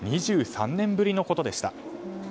２３年ぶりのことでした。